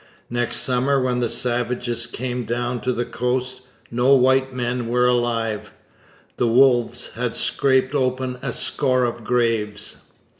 Next summer when the savages came down to the coast no white men were alive. The wolves had scraped open a score of graves.